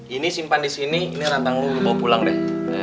ini simpan disini ini rantang lu bawa pulang deh